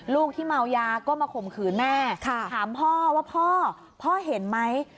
ลูกที่เมายาก็มาข่มขืนแม่ถามพ่อว่าพ่อพ่อเห็นไหม